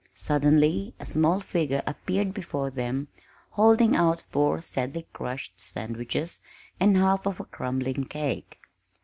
Suddenly a small figure appeared before them holding out four sadly crushed sandwiches and half of a crumbling cake.